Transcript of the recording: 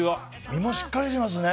身もしっかりしていますね。